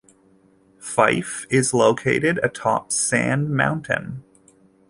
Fyffe is located atop Sand Mountain.